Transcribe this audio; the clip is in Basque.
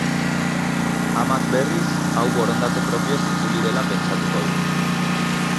Amak, berriz, hau borondate propioz itzuli dela pentsatuko du.